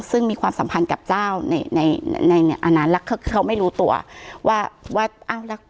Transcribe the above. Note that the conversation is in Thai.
ซึ่งมีความสัมพันธ์กับเจ้าในในอันนั้นแล้วคือเขาไม่รู้ตัวว่าว่าอ้าวแล้ว